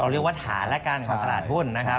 เรียกว่าฐานละกันของตลาดหุ้นนะครับ